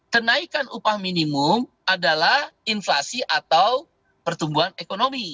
kenaikan upah minimum adalah inflasi atau pertumbuhan ekonomi